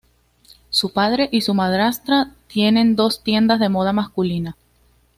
Su padre y su madrastra tienen dos tiendas de moda masculina.